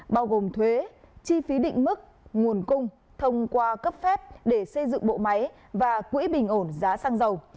bao gồm thuế chi phí định mức nguồn cung thông qua cấp phép để xây dựng bộ máy và quỹ bình ổn giá xăng dầu